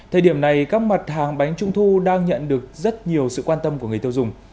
thời điểm này các mặt hàng bánh trung thu đang nhận được rất nhiều sự quan tâm của người tiêu dùng